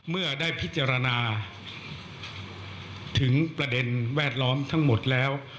เมื่อได้พิจารณาถึงประเด็นแวดล้อมทั้งหมดแล้ว